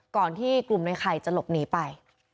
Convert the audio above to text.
ก่อนที่กลุ่มในไข่จะหลบหนีไป